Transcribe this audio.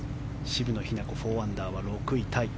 渋野日向子４アンダーは６位タイ。